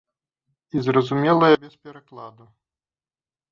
І зразумелая без перакладу.